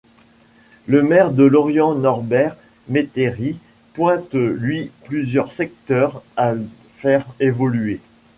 Le maire de Lorient Norbert Métairie pointe lui plusieurs secteurs à faire évoluer.